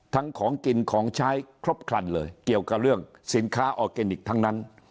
ของกินของใช้ครบครันเลยเกี่ยวกับเรื่องสินค้าออร์แกนิคทั้งนั้น